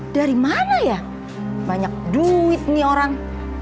dari mana ya banyak duit nih orang